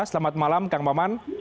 selamat malam kang maman